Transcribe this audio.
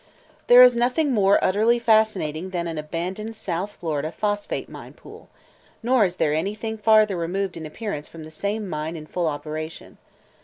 There is nothing more utterly fascinating than an abandoned South Florida phosphate mine pool, nor is there anything farther removed in appearance from the same mine in full operation.